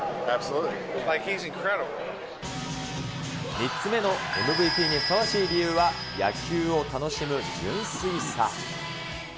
３つ目のＭＶＰにふさわしい理由は、野球を楽しむ純粋さ。